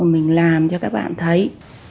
mình làm cho các bạn thấy